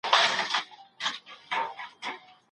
هیوادونه له اقتصادي بندیزونو بې اغېزې نه پاته کيږي.